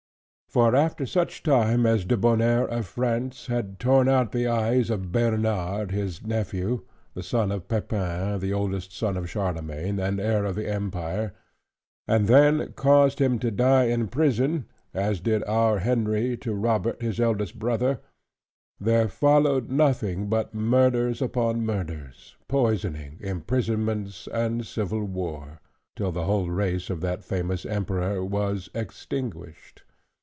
For after such time as Debonnaire of France, had torn out the eyes of Bernard his nephew, the son of Pepin the eldest son of Charlemagne, and heir of the Empire, and then caused him to die in prison, as did our Henry to Robert his eldest brother: there followed nothing but murders upon murders, poisoning, imprisonments, and civil war; till the whole race of that famous Emperor was extinguished.